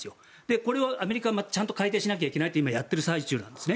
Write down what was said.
これをアメリカはちゃんと改定しなきゃいけないとやっている最中なんですね。